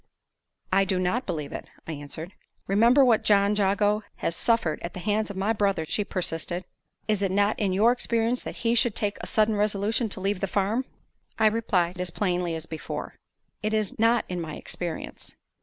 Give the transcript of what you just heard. "I do not believe it," I answered. "Remember what John Jago has suffered at the hands of my brothers," she persisted. "Is it not in your experience that he should take a sudden resolution to leave the farm?" I replied, as plainly as before, "It is not in my experience."